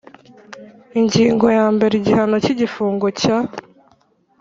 Ingingo ya mbere Igihano cy igifungo cya